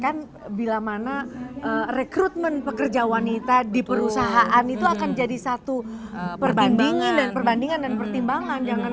cuman kan ada juga gesekan bila mana rekrutmen pekerja wanita di perusahaan itu akan jadi satu perbandingan dan pertimbangan